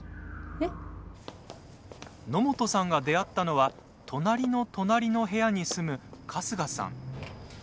野本さんが出会ったのは隣の隣の部屋に住む春日さん。